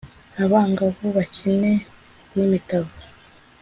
Abangavu bakine n'imitavu